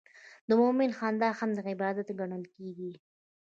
د مؤمن خندا هم عبادت ګڼل کېږي.